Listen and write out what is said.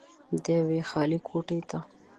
يوې خالې کوټې ته